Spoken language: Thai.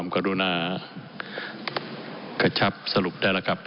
กระชับสรุปได้ละครับ